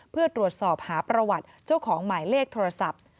เพื่อตรวจสอบหาประวัติเจ้าของหมายเลขโทรศัพท์